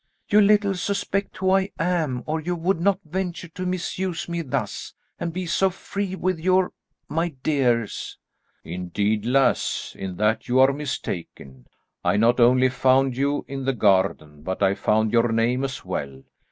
"You little suspect who I am or you would not venture to misuse me thus, and be so free with your 'my dears.'" "Indeed, lass, in that you are mistaken. I not only found you in the garden, but I found your name as well.